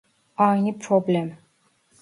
Aynı problem